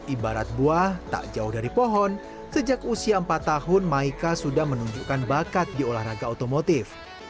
ibarat buah tak jauh dari pohon sejak usia empat tahun maika sudah menunjukkan bakat di olahraga otomotif